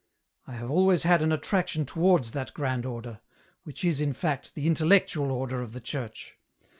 I have always had an attrac tion towards that grand Order, which is, in fact, the intellectual Order of the Church.